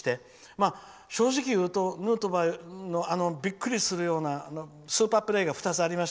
まあ、正直言うとヌートバーのびっくりするようなスーパープレーが２つあって。